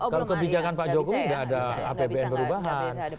kalau kebijakan pak jokowi tidak ada apbn perubahan